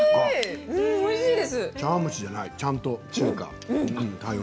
茶わん蒸しじゃないちゃんと中華。